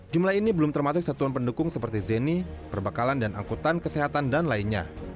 jumlah ini belum termasuk satuan pendukung seperti zeni perbekalan dan angkutan kesehatan dan lainnya